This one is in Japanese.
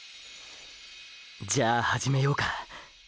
じゃあ始めようか。